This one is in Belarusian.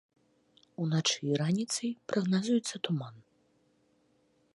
Уначы і раніцай прагназуецца туман.